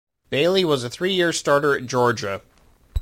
Bailey was a three-year starter at Georgia.